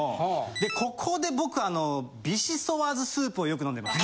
でここで僕ヴィシソワーズスープをよく飲んでます。